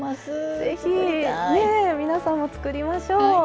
ぜひねえ皆さんも作りましょう！